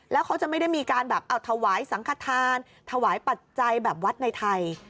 แล้วเขาจะไม่ได้มีการแบบเอาถวายสังขทานถวายปัจจัยแบบวัดในไทย